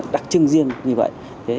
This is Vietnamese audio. đặc trưng riêng như vậy